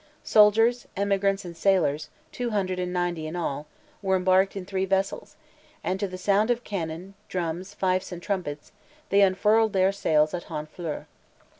Soldiers, emigrants, and sailors, two hundred and ninety in all, were embarked in three vessels; and, to the sound of cannon, drums, fifes, and trumpets, they unfurled their sails at Honfleur.